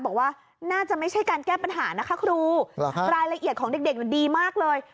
บอกว่าน่าจะไม่ใช่การแก้ปัญหานะคะครูรายละเอียดของเด็กดีมากเลย